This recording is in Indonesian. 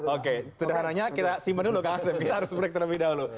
oke sederhananya kita simpan dulu kak asep kita harus break terlebih dahulu